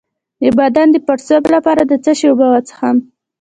د بدن د پړسوب لپاره د څه شي اوبه وڅښم؟